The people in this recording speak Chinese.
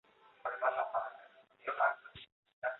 德商鲁麟洋行是中国近代史上一家知名的洋行。